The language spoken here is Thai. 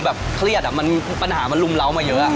แบบเครียดอะมันปัญหามันลุมเล้ามาเยอะ